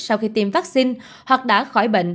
sau khi tiêm vaccine hoặc đã khỏi bệnh